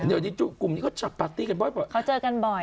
เดี๋ยวนี้กลุ่มนี้เขาจัดปาร์ตี้กันบ่อยเขาเจอกันบ่อย